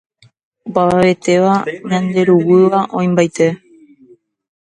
opavavetéva ñanderuguýva oĩmbaite